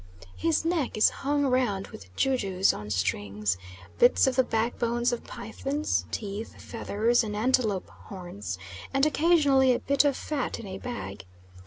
His neck is hung round with jujus on strings bits of the backbones of pythons, teeth, feathers, and antelope horns, and occasionally a bit of fat in a bag.